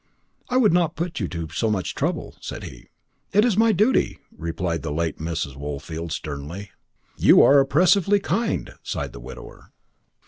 "I would not put you to so much trouble," said he. "It is my duty," replied the late Mrs. Woolfield sternly. "You are oppressively kind," sighed the widower.